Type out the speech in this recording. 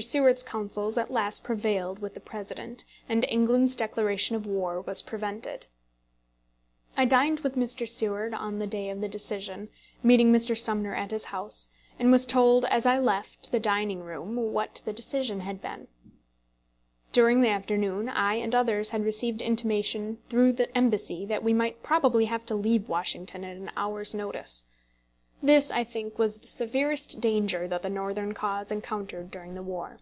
Seward's counsels at last prevailed with the President, and England's declaration of war was prevented. I dined with Mr. Seward on the day of the decision, meeting Mr. Sumner at his house, and was told as I left the dining room what the decision had been. During the afternoon I and others had received intimation through the embassy that we might probably have to leave Washington at an hour's notice. This, I think, was the severest danger that the Northern cause encountered during the war.